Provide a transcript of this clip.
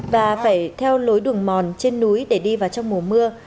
và phải theo lối đường mòn trên núi để đi vào trong mùa mưa